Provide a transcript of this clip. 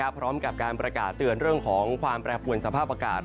พร้อมกับการประกาศเตือนเรื่องของความแปรปวนสภาพอากาศ